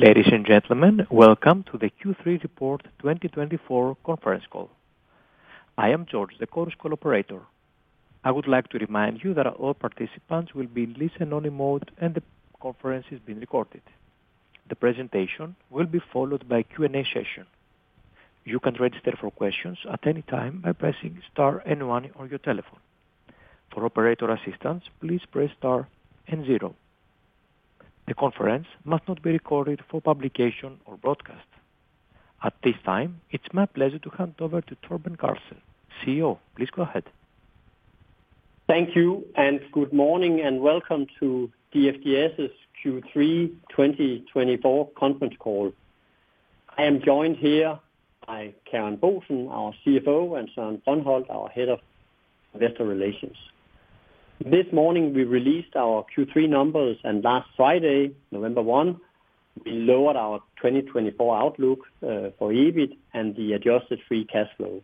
Ladies and gentlemen, welcome to the Q3 Report 2024 Conference Call. I am George, the conference operator. I would like to remind you that all participants will be in listen-only mode, and the conference is being recorded. The presentation will be followed by a Q&A session. You can register for questions at any time by pressing star one on your telephone. For operator assistance, please press star and zero. The conference must not be recorded for publication or broadcast. At this time, it's my pleasure to hand over to Torben Carlsen, CEO. Please go ahead. Thank you, and good morning, and welcome to DFDS's Q3 2024 Conference Call. I am joined here by Karen Boesen, our CFO, and Søren Brøndholt Nielsen, our head of investor relations. This morning, we released our Q3 numbers, and last Friday, November 1, we lowered our 2024 outlook for EBIT and the adjusted free cash flow.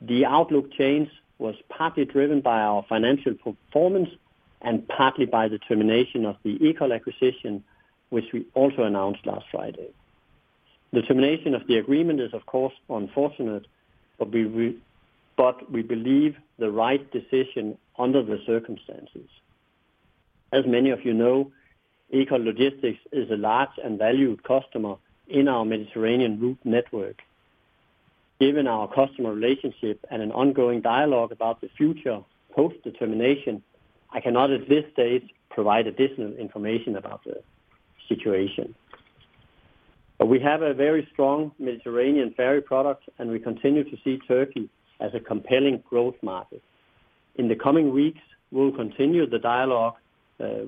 The outlook change was partly driven by our financial performance and partly by the termination of the Ekol acquisition, which we also announced last Friday. The termination of the agreement is, of course, unfortunate, but we believe the right decision under the circumstances. As many of you know, Ekol Logistics is a large and valued customer in our Mediterranean route network. Given our customer relationship and an ongoing dialogue about the future post-termination, I cannot at this stage provide additional information about the situation. We have a very strong Mediterranean ferry product, and we continue to see Turkey as a compelling growth market. In the coming weeks, we'll continue the dialogue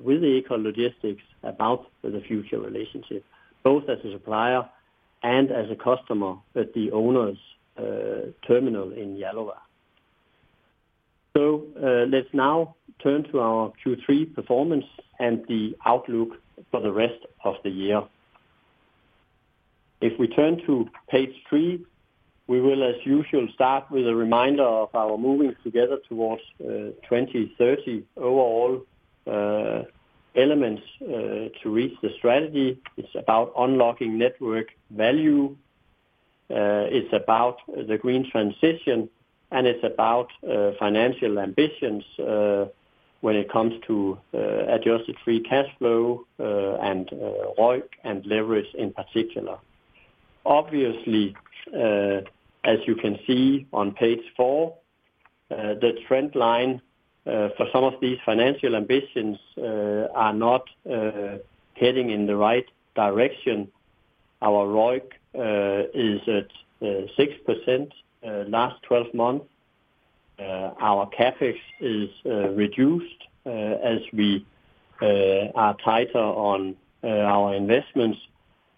with Ekol Logistics about the future relationship, both as a supplier and as a customer at the owner's terminal in Yalova. So let's now turn to our Q3 performance and the outlook for the rest of the year. If we turn to Page 3, we will, as usual, start with a reminder of our moving together towards 2030. Overall elements to reach the strategy, it's about unlocking network value, it's about the green transition, and it's about financial ambitions when it comes to adjusted free cash flow and ROIC and leverage in particular. Obviously, as you can see on Page 4, the trend line for some of these financial ambitions is not heading in the right direction. Our ROIC is at 6% last 12 months. Our CapEx is reduced as we are tighter on our investments.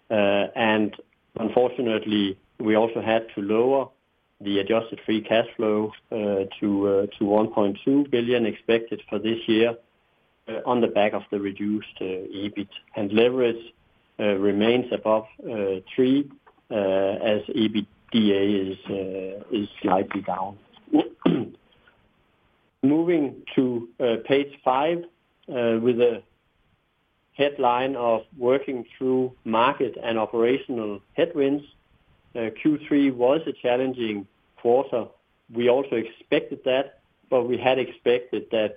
And unfortunately, we also had to lower the adjusted free cash flow to 1.2 billion expected for this year on the back of the reduced EBIT, and leverage remains above 3 as EBITDA is slightly down. Moving to Page 5 with a headline of working through market and operational headwinds, Q3 was a challenging quarter. We also expected that, but we had expected that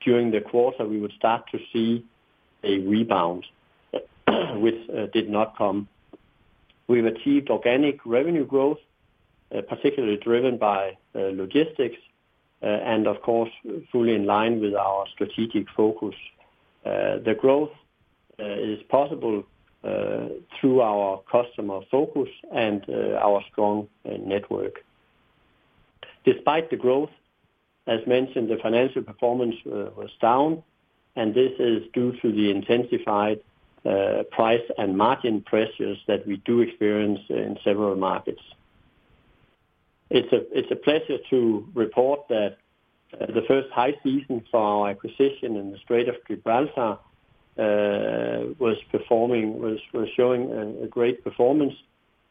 during the quarter we would start to see a rebound, which did not come. We've achieved organic revenue growth, particularly driven by logistics, and of course, fully in line with our strategic focus. The growth is possible through our customer focus and our strong network. Despite the growth, as mentioned, the financial performance was down, and this is due to the intensified price and margin pressures that we do experience in several markets. It's a pleasure to report that the first high season for our acquisition in the Strait of Gibraltar was showing a great performance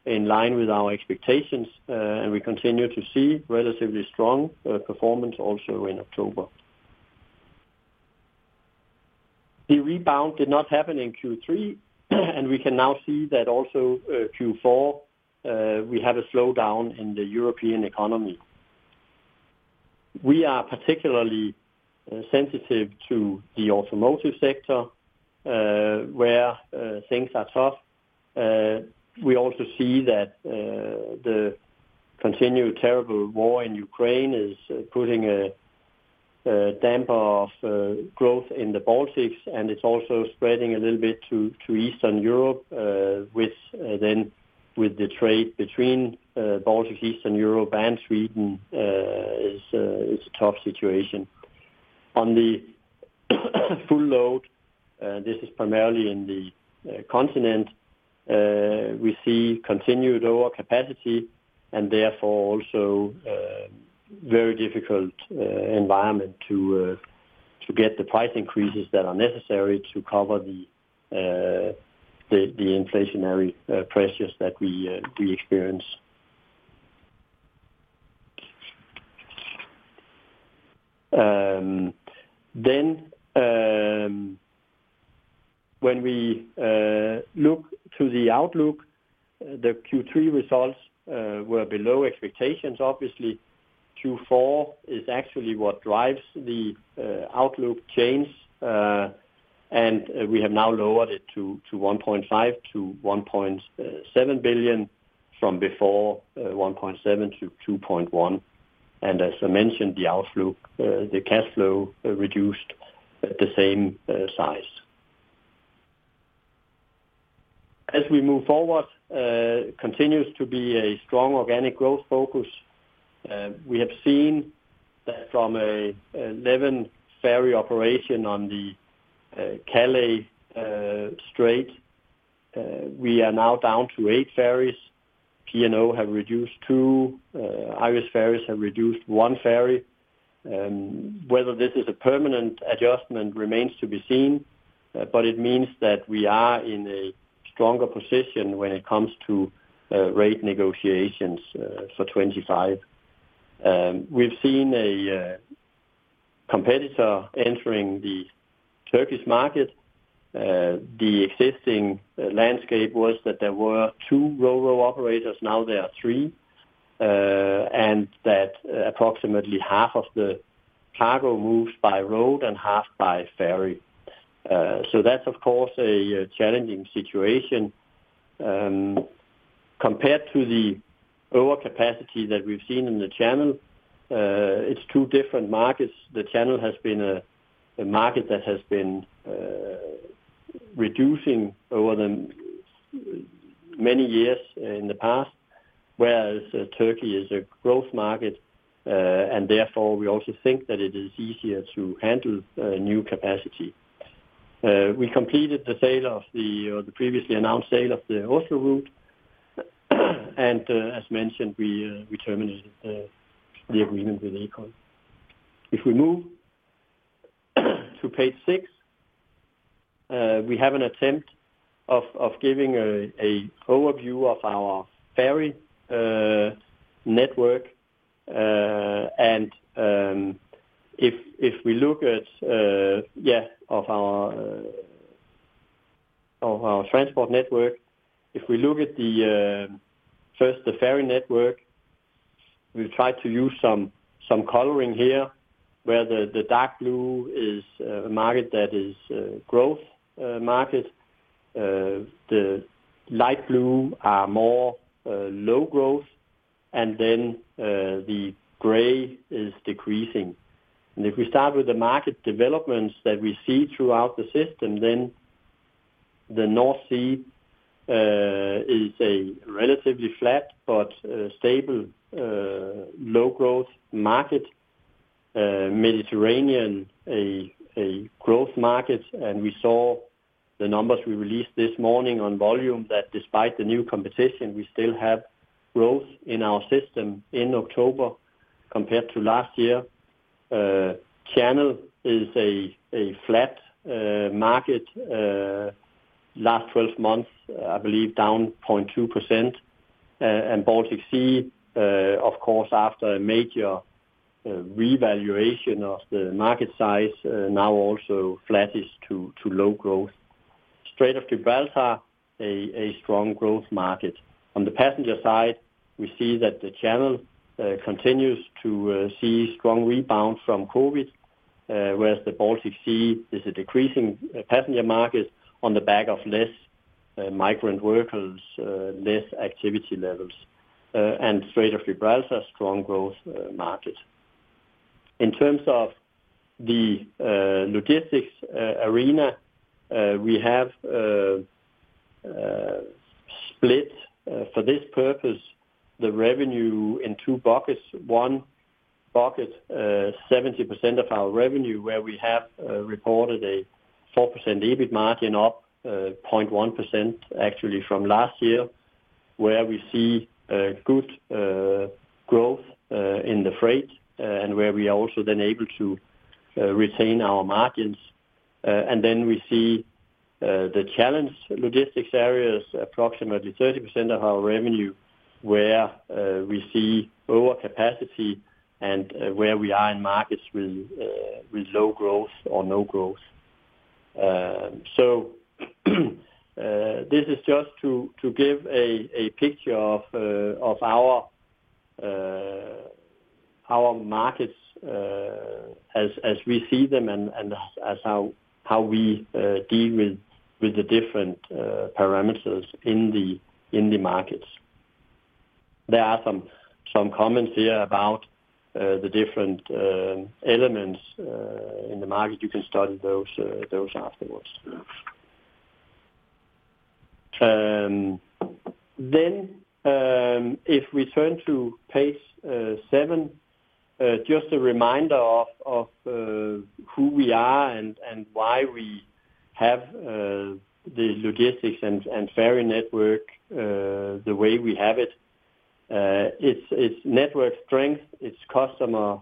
in line with our expectations, and we continue to see relatively strong performance also in October. The rebound did not happen in Q3, and we can now see that also Q4 we have a slowdown in the European economy. We are particularly sensitive to the automotive sector where things are tough. We also see that the continued terrible war in Ukraine is putting a damper of growth in the Baltics, and it's also spreading a little bit to Eastern Europe, which then with the trade between Baltics, Eastern Europe, and Sweden is a tough situation. On the full load, this is primarily in the Continent. We see continued overcapacity and therefore also very difficult environment to get the price increases that are necessary to cover the inflationary pressures that we experience. Then when we look to the outlook, the Q3 results were below expectations. Obviously, Q4 is actually what drives the outlook change, and we have now lowered it to 1.5 billion-1.7 billion from before 1.7 billion-2.1 billion. And as I mentioned, the outlook, the cash flow reduced at the same size. As we move forward, continues to be a strong organic growth focus. We have seen that from an 11-ferry operation on the Calais Strait, we are now down to eight ferries. P&O have reduced two. Irish Ferries have reduced one ferry. Whether this is a permanent adjustment remains to be seen, but it means that we are in a stronger position when it comes to rate negotiations for 2025. We've seen a competitor entering the Turkish market. The existing landscape was that there were two Ro-Ro operators, now there are three, and that approximately half of the cargo moves by road and half by ferry. So that's, of course, a challenging situation. Compared to the overcapacity that we've seen in the Channel, it's two different markets. The Channel has been a market that has been reducing over many years in the past, whereas Turkey is a growth market, and therefore we also think that it is easier to handle new capacity. We completed the sale of the previously announced sale of the Oslo route, and as mentioned, we terminated the agreement with Ekol. If we move to Page 6, we have an attempt of giving an overview of our ferry network, and if we look at, yeah, of our transport network, if we look at the first, the ferry network, we've tried to use some coloring here where the dark blue is a market that is a growth market, the light blue are more low growth, and then the gray is decreasing. And if we start with the market developments that we see throughout the system, then the North Sea is a relatively flat but stable low growth market, Mediterranean a growth market, and we saw the numbers we released this morning on volume that despite the new competition, we still have growth in our system in October compared to last year. Channel is a flat market last 12 months, I believe down 0.2%, and Baltic Sea, of course, after a major revaluation of the market size, now also flattish to low growth. Strait of Gibraltar, a strong growth market. On the passenger side, we see that the Channel continues to see strong rebound from COVID, whereas the Baltic Sea is a decreasing passenger market on the back of less migrant workers, less activity levels, and Strait of Gibraltar, strong growth market. In terms of the logistics arena, we have split for this purpose the revenue in two buckets. One bucket, 70% of our revenue, where we have reported a 4% EBIT margin up 0.1% actually from last year, where we see good growth in the freight and where we are also then able to retain our margins. And then we see the challenging logistics areas, approximately 30% of our revenue, where we see overcapacity and where we are in markets with low growth or no growth. So this is just to give a picture of our markets as we see them and how we deal with the different parameters in the markets. There are some comments here about the different elements in the market. You can study those afterwards. Then if we turn to Page 7, just a reminder of who we are and why we have the logistics and ferry network the way we have it. It's network strength, it's customer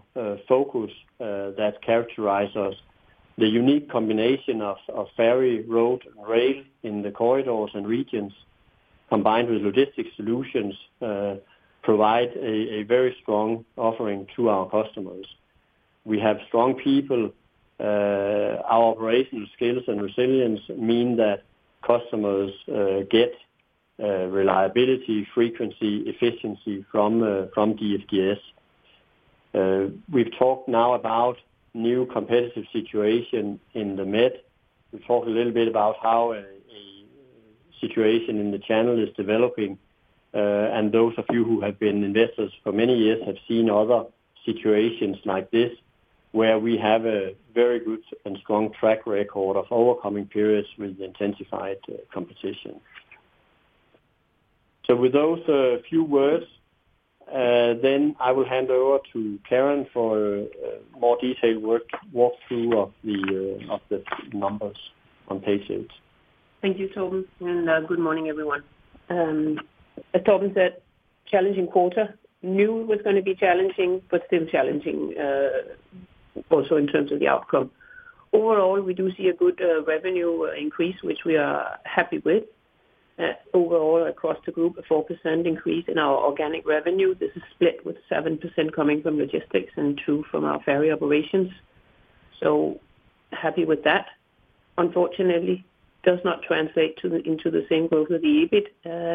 focus that characterize us. The unique combination of ferry, road, and rail in the corridors and regions combined with logistics solutions provide a very strong offering to our customers. We have strong people. Our operational skills and resilience mean that customers get reliability, frequency, efficiency from DFDS. We've talked now about new competitive situation in the Med. We've talked a little bit about how a situation in the Channel is developing, and those of you who have been investors for many years have seen other situations like this where we have a very good and strong track record of overcoming periods with intensified competition. So with those few words, then I will hand over to Karen for a more detailed walkthrough of the numbers on Page 8. Thank you, Torben. And good morning, everyone. As Torben said, challenging quarter. Knew it was going to be challenging, but still challenging also in terms of the outcome. Overall, we do see a good revenue increase, which we are happy with. Overall, across the group, a 4% increase in our organic revenue. This is split with 7% coming from logistics and 2% from our ferry operations. So happy with that. Unfortunately, does not translate into the same growth of the EBIT.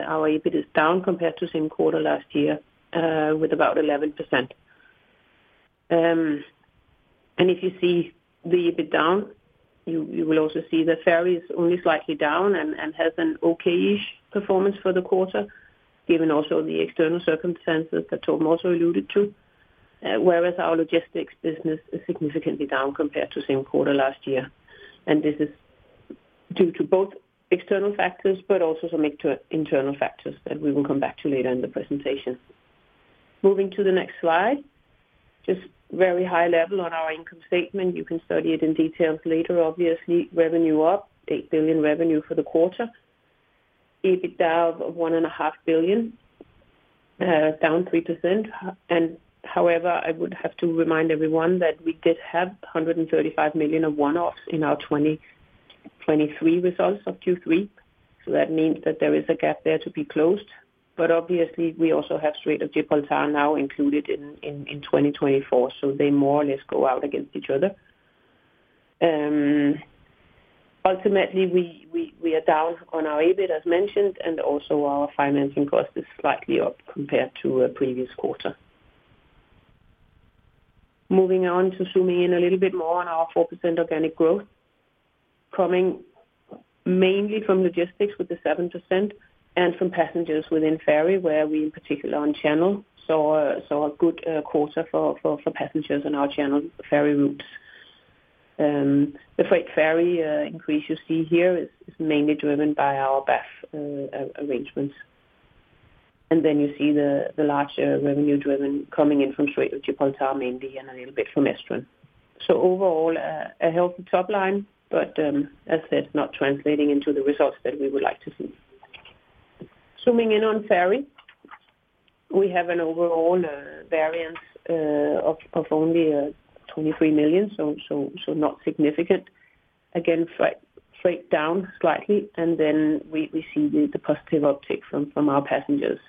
Our EBIT is down compared to same quarter last year with about 11%. And if you see the EBIT down, you will also see the ferries only slightly down and has an okay-ish performance for the quarter, given also the external circumstances that Torben also alluded to, whereas our logistics business is significantly down compared to same quarter last year. And this is due to both external factors, but also some internal factors that we will come back to later in the presentation. Moving to the next slide, just very high level on our income statement. You can study it in details later, obviously. Revenue up, 8 billion revenue for the quarter. EBITDA of 1.5 billion, down 3%. However, I would have to remind everyone that we did have 135 million of one-offs in our 2023 results of Q3. So that means that there is a gap there to be closed. But obviously, we also have Strait of Gibraltar now included in 2024, so they more or less go out against each other. Ultimately, we are down on our EBIT, as mentioned, and also our financing cost is slightly up compared to a previous quarter. Moving on to zooming in a little bit more on our 4% organic growth, coming mainly from logistics with the 7% and from passengers within ferry, where we in particular on the Channel saw a good quarter for passengers on our Channel ferry routes. The freight ferry increase you see here is mainly driven by our BAF arrangements. And then you see the larger revenue driven coming in from Strait of Gibraltar mainly and a little bit from Estron. So overall, a healthy top line, but as said, not translating into the results that we would like to see. Zooming in on ferry, we have an overall variance of only 23 million, so not significant. Again, freight down slightly, and then we see the positive uptake from our passengers.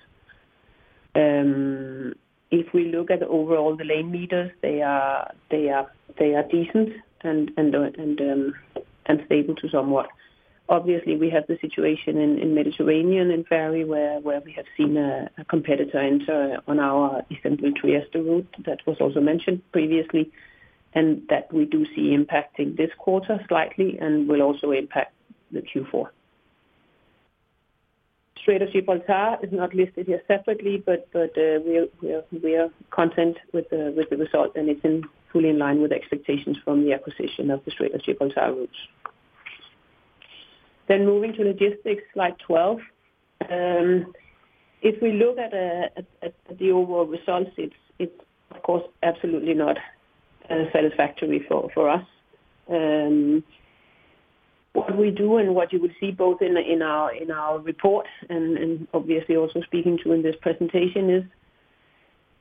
If we look at overall the lane meters, they are decent and stable to somewhat. Obviously, we have the situation in Mediterranean in ferry where we have seen a competitor enter on our routes, that was also mentioned previously, and that we do see impacting this quarter slightly and will also impact the Q4. Strait of Gibraltar is not listed here separately, but we are content with the result, and it's fully in line with expectations from the acquisition of the Strait of Gibraltar routes. Then moving to logistics, Slide 12. If we look at the overall results, it's of course absolutely not satisfactory for us. What we do and what you will see both in our report and obviously also speaking to in this presentation is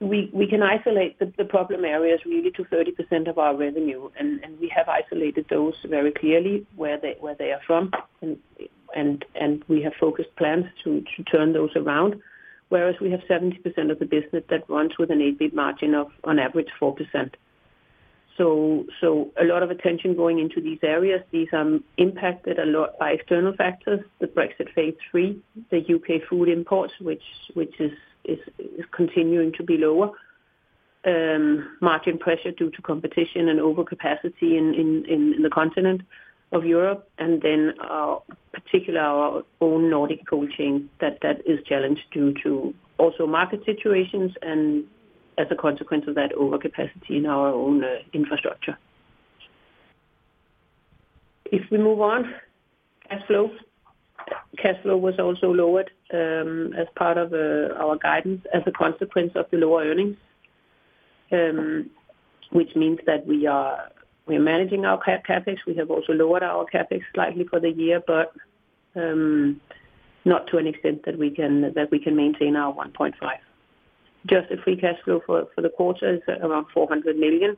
we can isolate the problem areas really to 30% of our revenue, and we have isolated those very clearly where they are from, and we have focused plans to turn those around, whereas we have 70% of the business that runs with an EBIT margin of on average 4%. So a lot of attention going into these areas. These are impacted a lot by external factors, the Brexit phase three, the UK food imports, which is continuing to be lower, margin pressure due to competition and overcapacity in the Continent of Europe, and then particularly our own Nordic cold chain that is challenged due to also market situations and as a consequence of that, overcapacity in our own infrastructure. If we move on, cash flow. Cash flow was also lowered as part of our guidance as a consequence of the lower earnings, which means that we are managing our CapEx. We have also lowered our CapEx slightly for the year, but not to an extent that we can maintain our 1.5. Adjusted free cash flow for the quarter is around 400 million,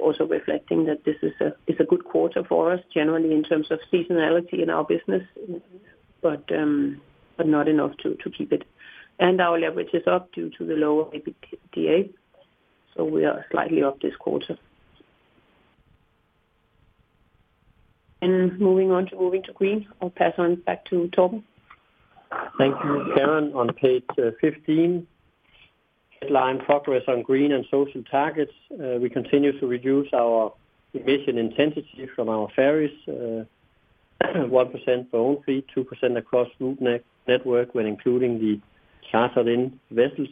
also reflecting that this is a good quarter for us generally in terms of seasonality in our business, but not enough to keep it. Our leverage is up due to the lower EBITDA, so we are slightly up this quarter. Moving on to moving to green, I'll pass on back to Torben. Thank you, Karen. On Page 15, headline progress on green and social targets. We continue to reduce our emission intensity from our ferries, 1% for own fleet, 2% across route network when including the chartered-in vessels.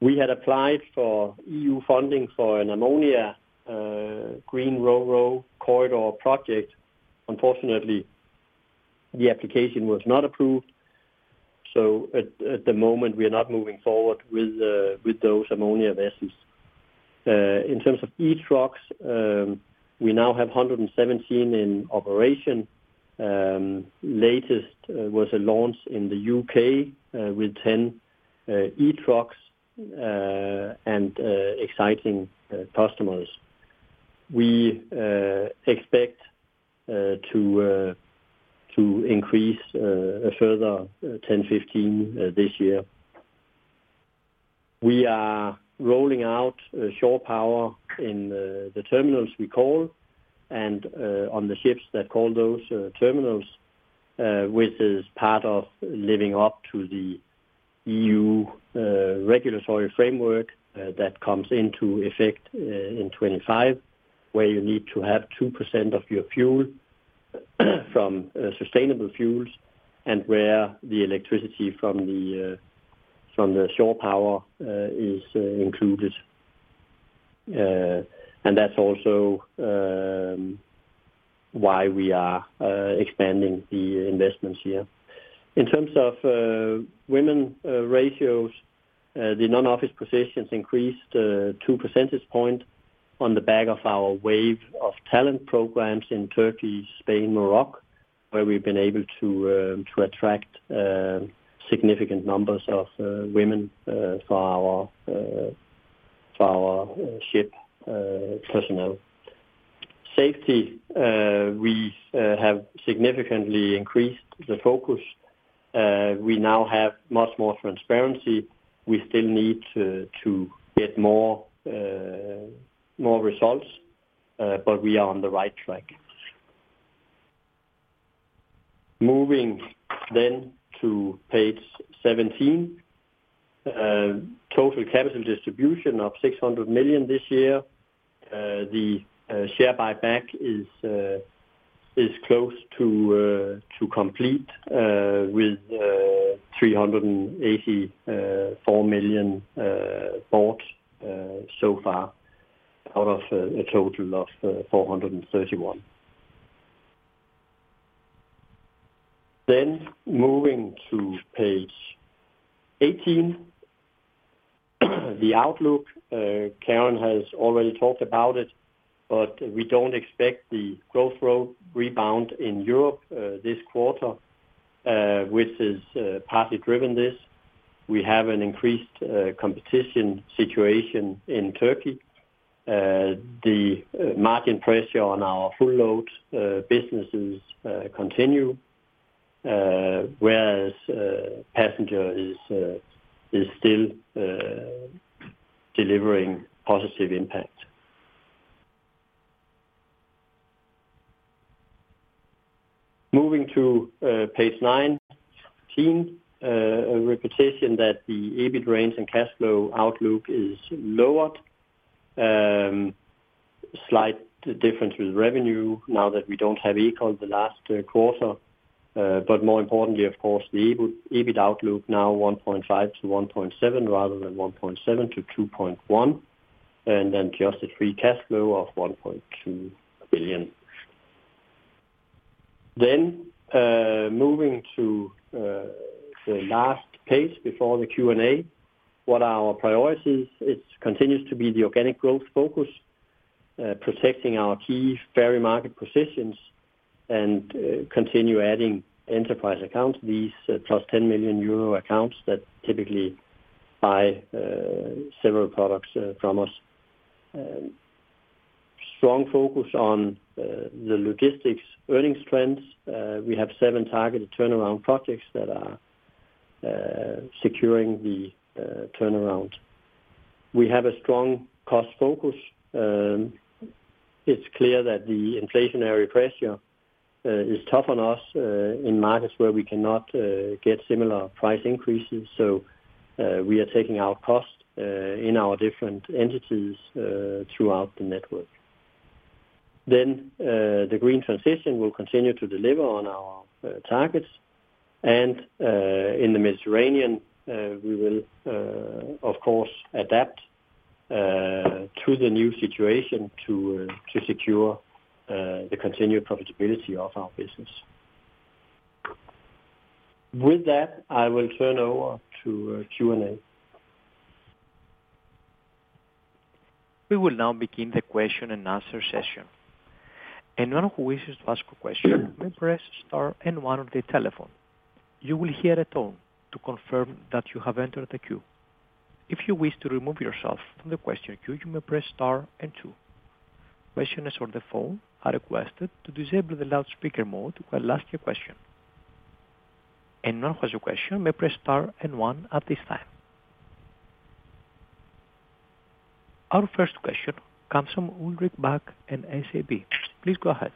We had applied for EU funding for an ammonia green Ro-Ro corridor project. Unfortunately, the application was not approved. So at the moment, we are not moving forward with those ammonia vessels. In terms of e-trucks, we now have 117 in operation. Latest was a launch in the U.K. with 10 e-trucks and exciting customers. We expect to increase further 10-15 this year. We are rolling out shore power in the terminals we call and on the ships that call those terminals, which is part of living up to the EU regulatory framework that comes into effect in 2025, where you need to have 2% of your fuel from sustainable fuels and where the electricity from the shore power is included. And that's also why we are expanding the investments here. In terms of women ratios, the non-office positions increased 2 percentage points on the back of our Wave of Talent programs in Turkey, Spain, Morocco, where we've been able to attract significant numbers of women for our ship personnel. Safety, we have significantly increased the focus. We now have much more transparency. We still need to get more results, but we are on the right track. Moving then to Page 17, total capital distribution of 600 million this year. The share buyback is close to complete with 384 million bought so far out of a total of 431 million. Moving to Page 18, the outlook. Karen has already talked about it, but we don't expect the growth rebound in Europe this quarter, which is partly driven this. We have an increased competition situation in Turkey. The margin pressure on our full load businesses continue, whereas passenger is still delivering positive impact. Moving to Page 19, a repetition that the EBIT range and cash flow outlook is lowered. Slight difference with revenue now that we don't have Ekol the last quarter, but more importantly, of course, the EBIT outlook now 1.5 billion-1.7 billion rather than 1.7 billion-2.1 billion, and then just the free cash flow of 1.2 billion. Moving to the last page before the Q&A, what are our priorities? It continues to be the organic growth focus, protecting our key ferry market positions and continue adding enterprise accounts, these +10 million euro accounts that typically buy several products from us. Strong focus on the logistics earnings trends. We have seven targeted turnaround projects that are securing the turnaround. We have a strong cost focus. It's clear that the inflationary pressure is tough on us in markets where we cannot get similar price increases, so we are taking out cost in our different entities throughout the network, then the green transition will continue to deliver on our targets, and in the Mediterranean, we will, of course, adapt to the new situation to secure the continued profitability of our business. With that, I will turn over to Q&A. We will now begin the question and answer session. Anyone who wishes to ask a question may press star and one on the telephone. You will hear a tone to confirm that you have entered the queue. If you wish to remove yourself from the question queue, you may press star and two. Questioners on the phone are requested to disable the loudspeaker mode while asking a question. Anyone who has a question may press star and one at this time. Our first question comes from Ulrik Bak and SEB. Please go ahead.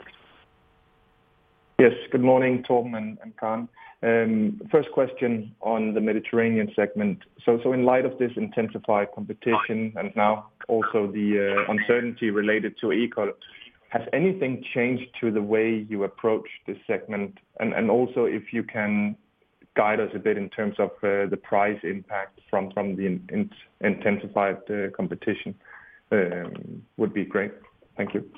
Yes, good morning, Torben and Karen. First question on the Mediterranean segment. So in light of this intensified competition and now also the uncertainty related to Ekol, has anything changed to the way you approach this segment? And also if you can guide us a bit in terms of the price impact from the intensified competition would be great. Thank you.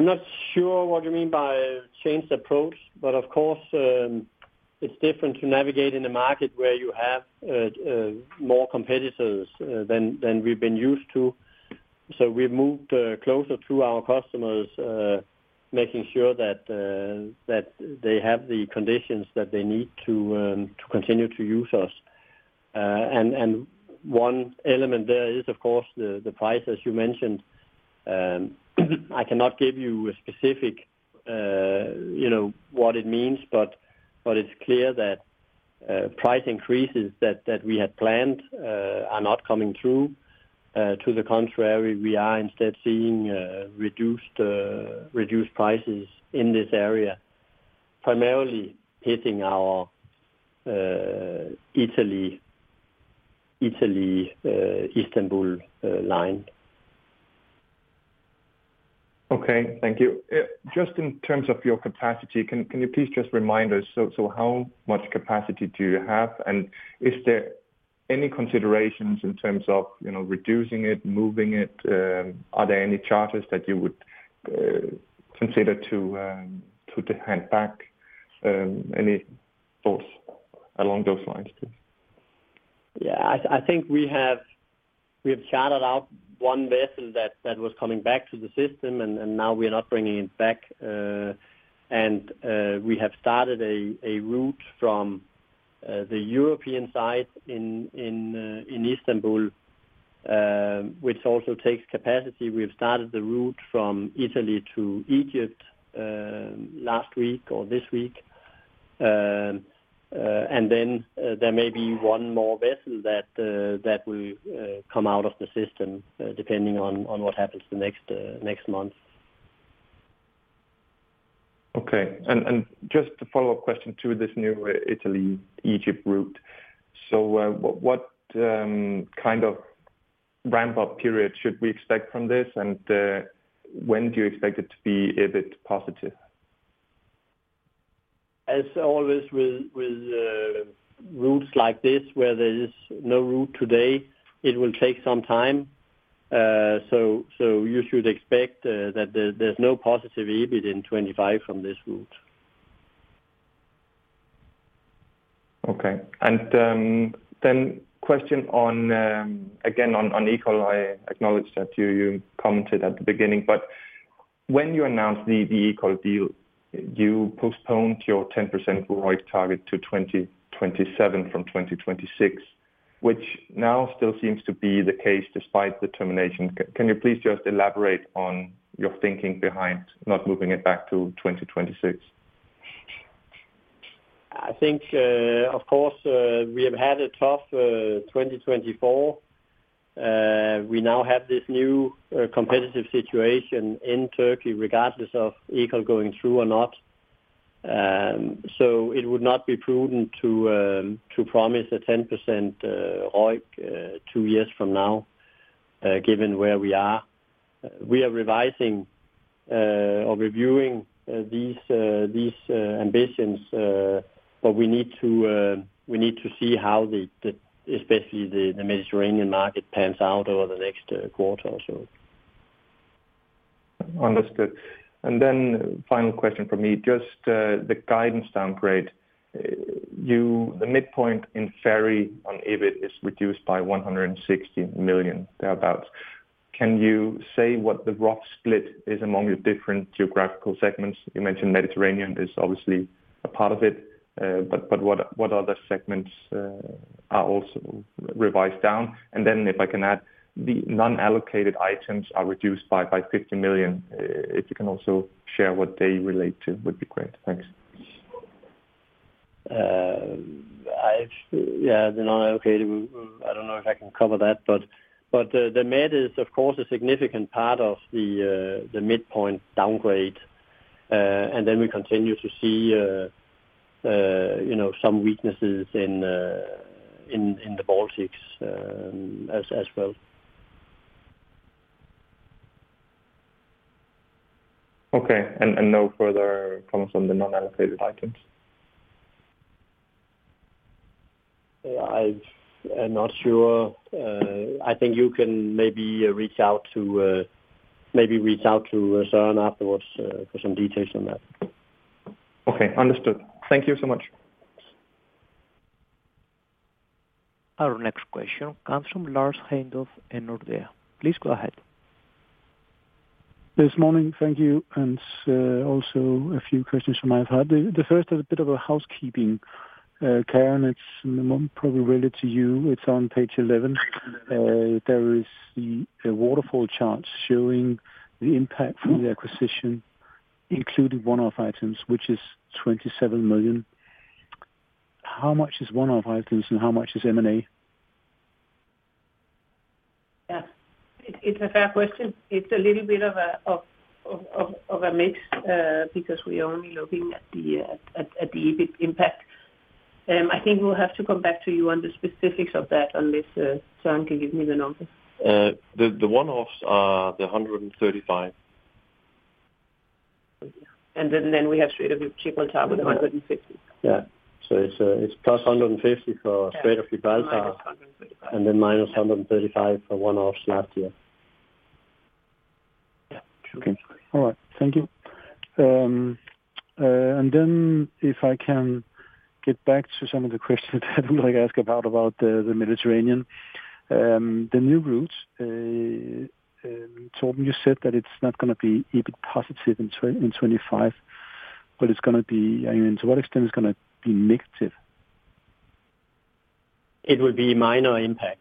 I'm not sure what you mean by changed approach, but of course, it's different to navigate in a market where you have more competitors than we've been used to, so we've moved closer to our customers, making sure that they have the conditions that they need to continue to use us, and one element there is, of course, the price, as you mentioned. I cannot give you a specific what it means, but it's clear that price increases that we had planned are not coming through. To the contrary, we are instead seeing reduced prices in this area, primarily hitting our Italy-Istanbul line. Okay, thank you. Just in terms of your capacity, can you please just remind us, so how much capacity do you have? And is there any considerations in terms of reducing it, moving it? Are there any charters that you would consider to hand back? Any thoughts along those lines, please? Yeah, I think we have shadowed out one vessel that was coming back to the system, and now we are not bringing it back. We have started a route from the European side in Istanbul, which also takes capacity. We have started the route from Italy to Egypt last week or this week. Then there may be one more vessel that will come out of the system depending on what happens the next month. Okay. Just a follow-up question to this new Italy-Egypt route. So what kind of ramp-up period should we expect from this, and when do you expect it to be EBIT positive? As always with routes like this, where there is no route today, it will take some time. You should expect that there's no positive EBIT in 2025 from this route. Okay. And then question on, again, on Ekol. I acknowledge that you commented at the beginning, but when you announced the Ekol deal, you postponed your 10% growth target to 2027 from 2026, which now still seems to be the case despite the termination. Can you please just elaborate on your thinking behind not moving it back to 2026? I think, of course, we have had a tough 2024. We now have this new competitive situation in Turkey, regardless of Ekol going through or not. So it would not be prudent to promise a 10% ROIC two years from now, given where we are. We are revising or reviewing these ambitions, but we need to see how, especially the Mediterranean market, pans out over the next quarter or so. Understood. And then final question for me, just the guidance downgrade. The midpoint in ferry on EBIT is reduced by 160 million, thereabouts. Can you say what the rough split is among the different geographical segments? You mentioned Mediterranean is obviously a part of it, but what other segments are also revised down? And then if I can add, the non-allocated items are reduced by 50 million. If you can also share what they relate to, it would be great. Thanks. Yeah, the non-allocated, I don't know if I can cover that, but the Med is, of course, a significant part of the midpoint downgrade. And then we continue to see some weaknesses in the Baltics as well. Okay. And no further comments on the non-allocated items? I'm not sure. I think you can maybe reach out to Søren afterwards for some details on that. Okay. Understood. Thank you so much. Our next question comes from Lars Heindorff and Nordea. Please go ahead. Good morning, thank you. And also a few questions from my part. The first is a bit of a housekeeping, Karen. It's probably related to you. It's on Page 11. There is the waterfall chart showing the impact from the acquisition, including one-off items, which is 27 million. How much is one-off items and how much is M&A? It's a fair question. It's a little bit of a mix because we are only looking at the EBIT impact. I think we'll have to come back to you on the specifics of that unless Søren can give me the numbers. The one-offs are the 135 million. And then we have Strait of Gibraltar target of 150 million. Yeah. So it's plus 150 million for Strait of Gibraltar target. And then minus 135 million for one-offs last year. Yeah. Okay. All right. Thank you. And then if I can get back to some of the questions that I would like to ask about the Mediterranean. The new route, Torben, you said that it's not going to be EBIT positive in 2025, but it's going to be I mean, to what extent it's going to be negative? It would be minor impact.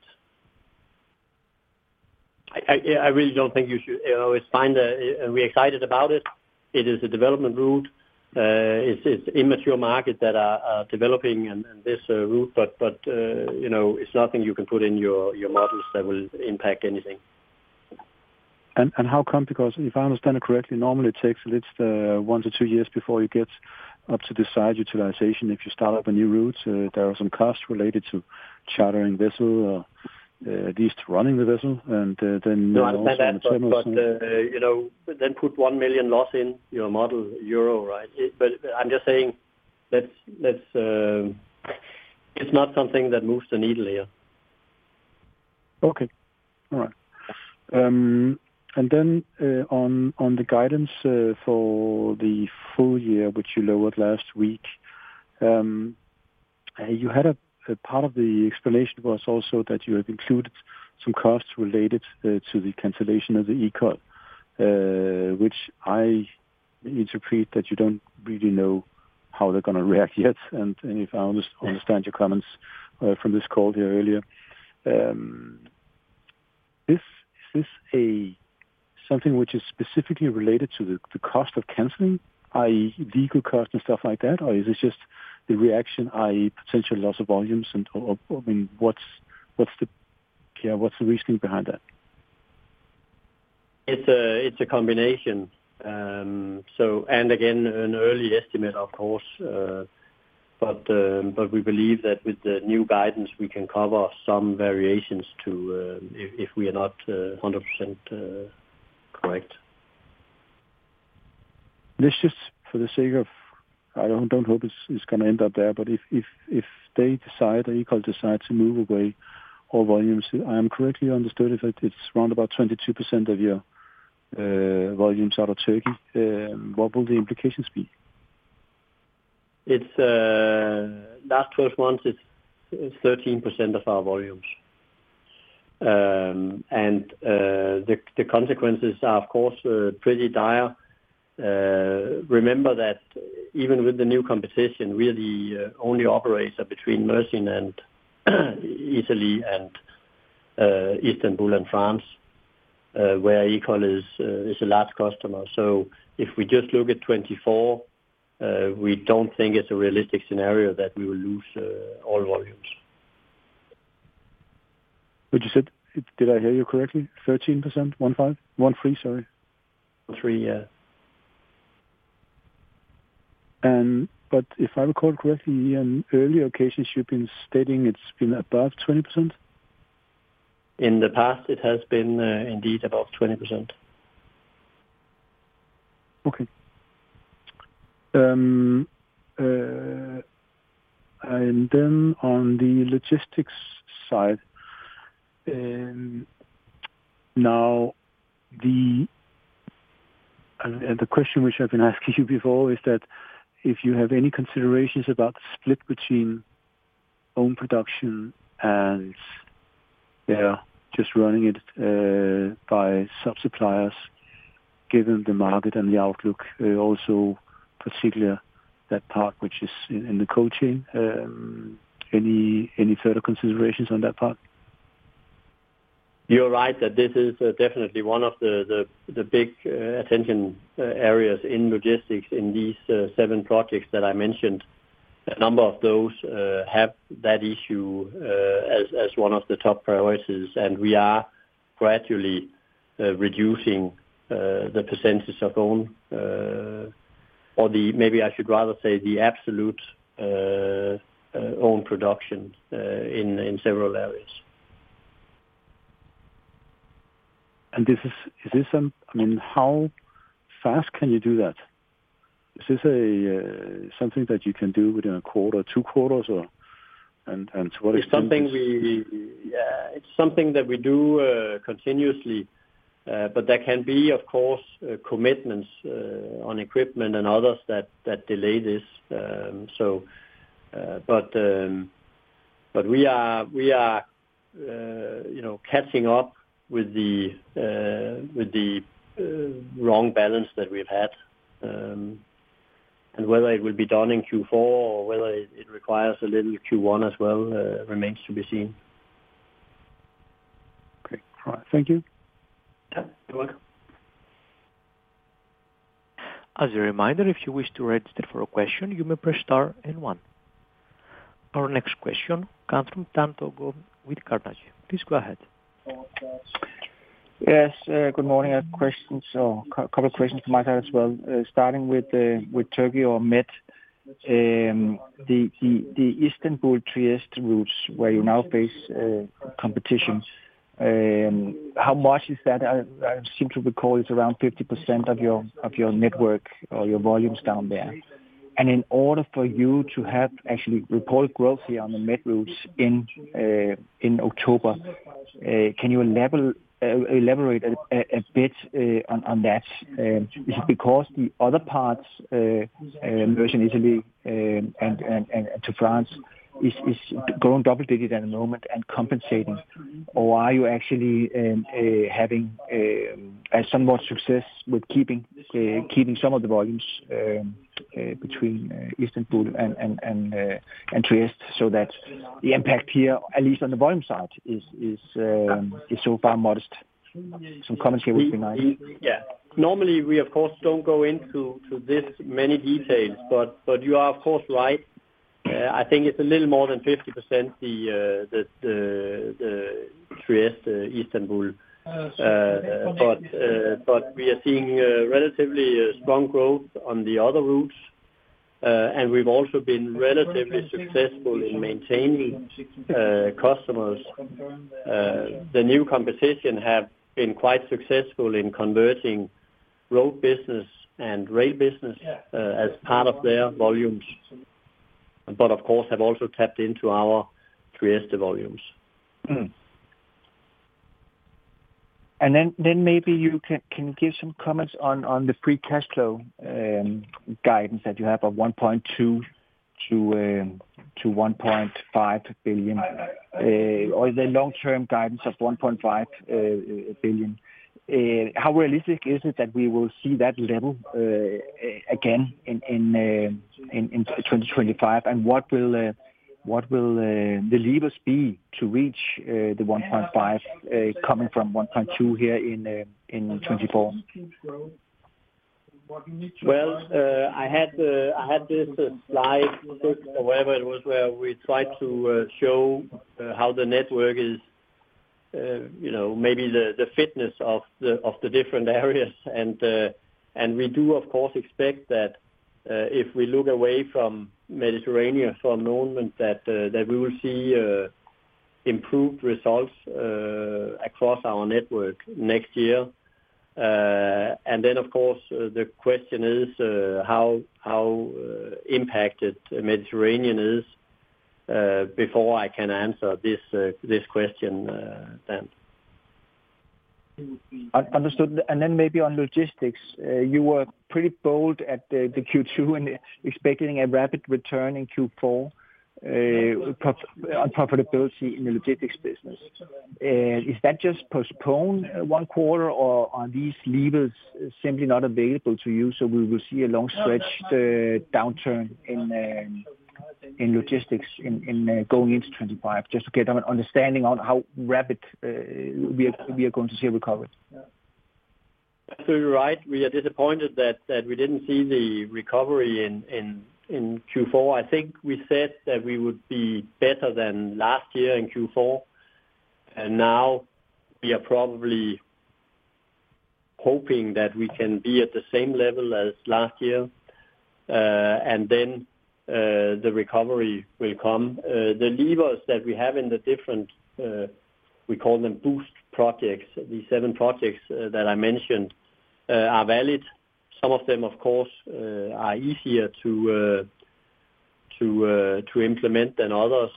I really don't think you should find that we're excited about it. It is a development route. It's immature markets that are developing this route, but it's nothing you can put in your models that will impact anything. And how come? Because if I understand it correctly, normally it takes at least one to two years before you get up to the full utilization. If you start up a new route, there are some costs related to chartering vessel or at least running the vessel. And then normally it's in the terminal summary. No, I understand that. But then put 1 million loss in your model, right? But I'm just saying it's not something that moves the needle here. Okay. All right, and then on the guidance for the full year, which you lowered last week, you had a part of the explanation was also that you had included some costs related to the cancellation of the Ekol, which I interpret that you don't really know how they're going to react yet. And if I understand your comments from this call here earlier, is this something which is specifically related to the cost of canceling, i.e., legal costs and stuff like that? Or is it just the reaction, i.e., potential loss of volumes? I mean, what's the reasoning behind that? It's a combination, and again an early estimate, of course. But we believe that with the new guidance, we can cover some variations if we are not 100% correct. This is for the sake of I don't hope it's going to end up there, but if they decide, Ekol decides to move away all volumes, I am correctly understood if it's around about 22% of your volumes out of Turkey, what will the implications be? Last 12 months, it's 13% of our volumes. And the consequences are, of course, pretty dire. Remember that even with the new competition, we are the only operator between Mersin and Italy and Istanbul and France, where Ekol is a large customer. So if we just look at 24, we don't think it's a realistic scenario that we will lose all volumes. Did I hear you correctly? 13%? 15? 13? Sorry. 13, yeah. But if I recall correctly, in earlier occasions, you've been stating it's been above 20%? In the past, it has been indeed above 20%. Okay. And then on the logistics side, now the question which I've been asking you before is that if you have any considerations about the split between own production and just running it by sub-suppliers, given the market and the outlook, also particularly that part which is in the cold chain, any further considerations on that part? You're right that this is definitely one of the big attention areas in logistics in these seven projects that I mentioned. A number of those have that issue as one of the top priorities, and we are gradually reducing the percentage of own or maybe I should rather say the absolute own production in several areas. And is this, I mean, how fast can you do that? Is this something that you can do within a quarter, two quarters, or to what extent? It's something we yeah, it's something that we do continuously, but there can be, of course, commitments on equipment and others that delay this. But we are catching up with the wrong balance that we've had, and whether it will be done in Q4 or whether it requires a little Q1 as well remains to be seen. Okay. All right. Thank you. You're welcome. As a reminder, if you wish to register for a question, you may press star and one. Our next question comes from Dan Togo with Carnegie. Please go ahead. Yes. Good morning. I have a couple of questions for myself as well. Starting with Turkey or MED, the Istanbul-Trieste routes where you now face competition, how much is that? I seem to recall it's around 50% of your network or your volumes down there. In order for you to have actually reported growth here on the Med routes in October, can you elaborate a bit on that? Is it because the other parts, Mersin, Italy, and to France, is growing double-digit at the moment and compensating, or are you actually having somewhat success with keeping some of the volumes between Istanbul and Trieste so that the impact here, at least on the volume side, is so far modest? Some comments here would be nice. Yeah. Normally, we, of course, don't go into this many details, but you are, of course, right. I think it's a little more than 50% the Trieste-Istanbul. But we are seeing relatively strong growth on the other routes, and we've also been relatively successful in maintaining customers. The new competition have been quite successful in converting road business and rail business as part of their volumes, but of course, have also tapped into our Trieste volumes. And then maybe you can give some comments on the free cash flow guidance that you have of 1.2-1.5 billion DKK, or the long-term guidance of 1.5 billion. How realistic is it that we will see that level again in 2025, and what will the levers be to reach the 1.5 coming from 1.2 here in 2024? Well, I had this slide or whatever it was where we tried to show how the network is, maybe the fitness of the different areas, and we do, of course, expect that if we look away from Mediterranean for a moment, that we will see improved results across our network next year. And then, of course, the question is how impacted Mediterranean is before I can answer this question, Dan. Understood. And then maybe on logistics, you were pretty bold at the Q2 and expecting a rapid return in Q4 on profitability in the logistics business. Is that just postponed one quarter, or are these levers simply not available to you so we will see a long-stretched downturn in logistics going into 2025? Just to get an understanding on how rapid we are going to see a recovery. So you're right. We are disappointed that we didn't see the recovery in Q4. I think we said that we would be better than last year in Q4. And now we are probably hoping that we can be at the same level as last year, and then the recovery will come. The levers that we have in the different we call them Boost projects, the seven projects that I mentioned are valid. Some of them, of course, are easier to implement than others,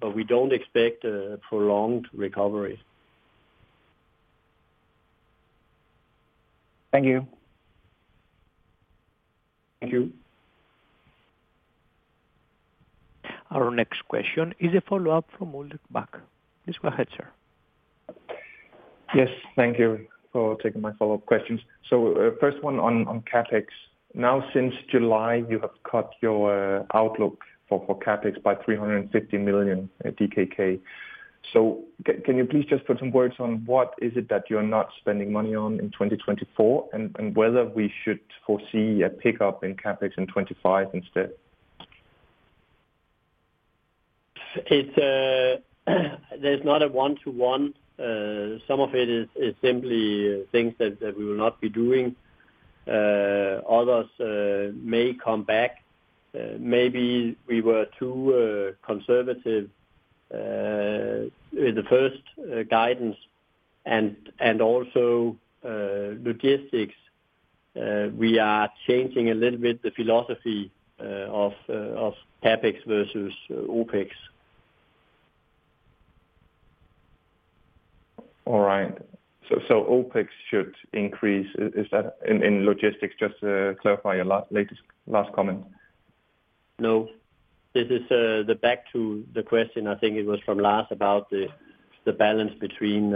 but we don't expect prolonged recovery. Thank you. Thank you. Our next question is a follow-up from Nordea. Please go ahead, sir. Yes. Thank you for taking my follow-up questions. So first one on CapEx. Now, since July, you have cut your outlook for CapEx by 350 million DKK. So can you please just put some words on what is it that you're not spending money on in 2024 and whether we should foresee a pickup in CapEx in 2025 instead? There's not a one-to-one. Some of it is simply things that we will not be doing. Others may come back. Maybe we were too conservative with the first guidance. And also, logistics, we are changing a little bit the philosophy of CapEx versus OpEx. All right. So OpEx should increase. Is that in logistics? Just to clarify your last comment. No. This is back to the question. I think it was from last about the balance between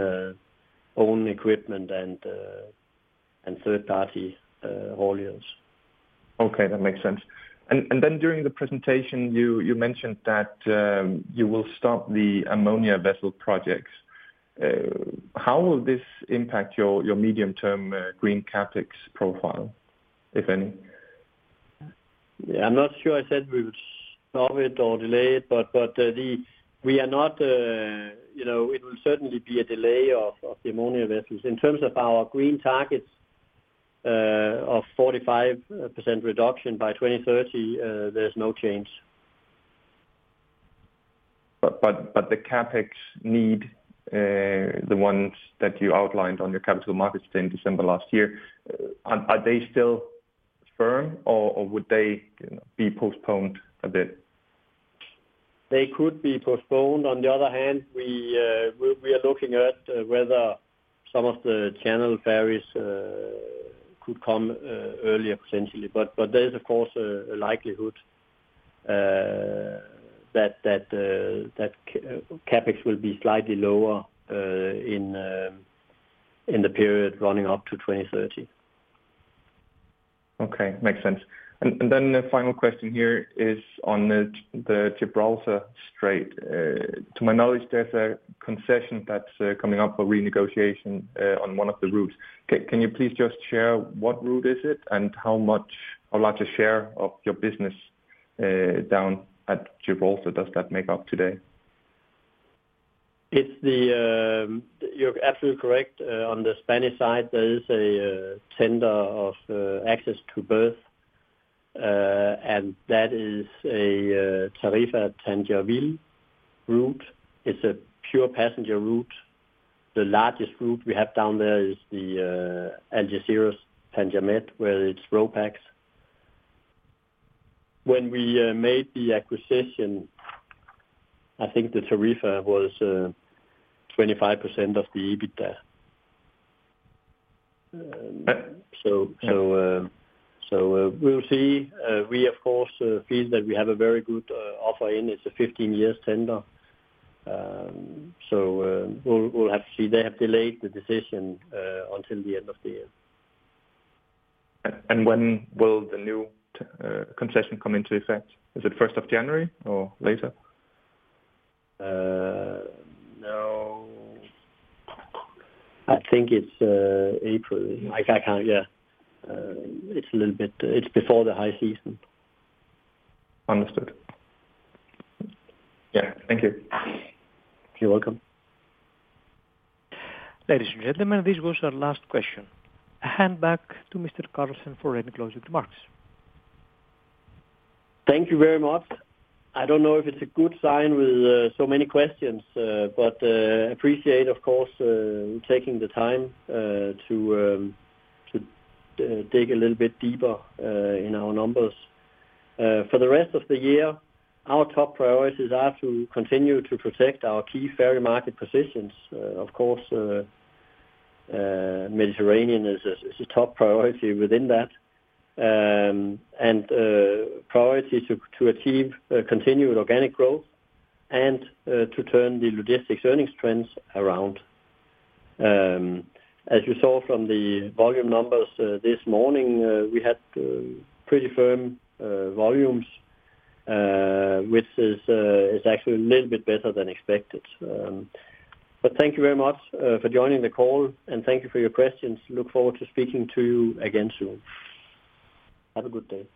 own equipment and third-party volumes. Okay. That makes sense. And then during the presentation, you mentioned that you will stop the ammonia vessel projects. How will this impact your medium-term green CapEx profile, if any? Yeah. I'm not sure I said we would stop it or delay it, but we are not it will certainly be a delay of the ammonia vessels. In terms of our green targets of 45% reduction by 2030, there's no change. But the CapEx need, the ones that you outlined on your capital markets in December last year, are they still firm, or would they be postponed a bit? They could be postponed. On the other hand, we are looking at whether some of the Channel ferries could come earlier potentially. But there is, of course, a likelihood that CapEx will be slightly lower in the period running up to 2030. Okay. Makes sense. And then the final question here is on the Gibraltar Strait. To my knowledge, there's a concession that's coming up for renegotiation on one of the routes. Can you please just share what route is it and how much or larger share of your business down at Gibraltar does that make up today? You're absolutely correct. On the Spanish side, there is a tender of access to berth, and that is a Tarifa-Tangier Ville route. It's a pure passenger route. The largest route we have down there is the Algeciras-Tangier Med, where it's Ro-Pax. When we made the acquisition, I think the tariff was 25% of the EBITDA. So we'll see. We, of course, feel that we have a very good offer in. It's a 15-year tender. So we'll have to see. They have delayed the decision until the end of the year. And when will the new concession come into effect? Is it 1st of January or later? No. I think it's April. Yeah. It's a little bit before the high season. Understood. Yeah. Thank you. You're welcome. Ladies and gentlemen, this was our last question. Hand back to Mr. Carlsen for any closing remarks. Thank you very much. I don't know if it's a good sign with so many questions, but I appreciate, of course, taking the time to dig a little bit deeper in our numbers. For the rest of the year, our top priorities are to continue to protect our key ferry market positions. Of course, Mediterranean is a top priority within that and priority to achieve continued organic growth and to turn the logistics earnings trends around. As you saw from the volume numbers this morning, we had pretty firm volumes, which is actually a little bit better than expected. But thank you very much for joining the call, and thank you for your questions. Look forward to speaking to you again soon. Have a good day.